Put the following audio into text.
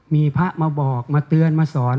มีพระมาบอกมาเตือนมาสอน